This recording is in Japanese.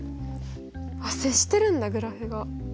あっ接してるんだグラフが。